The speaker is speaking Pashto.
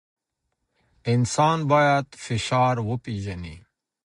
انسان باید فشار وپېژني.